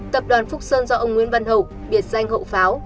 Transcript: tập đoàn phúc sơn do ông nguyễn văn hậu biệt danh hậu pháo